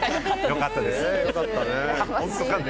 良かったです。